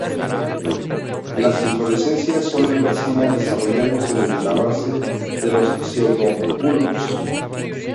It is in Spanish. Las inflorescencias son en racimos desarrollándose desde la base de los pseudobulbos.